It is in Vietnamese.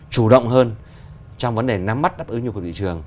chủ động hơn trong vấn đề nắm mắt đáp ứng nhu cầu thị trường